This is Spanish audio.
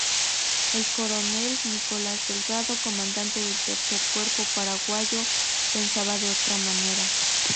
El coronel Nicolás Delgado, comandante del Tercer Cuerpo paraguayo, pensaba de otra manera.